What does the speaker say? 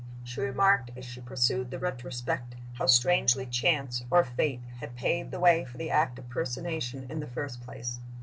She remarked, as she pursued the retrospect, how strangely Chance, or Fate, had paved the way for the act of personation, in the first place.